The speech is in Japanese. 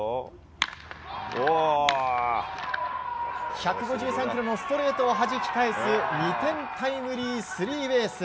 １５３キロのストレートをはじき返す２点タイムリースリーベース。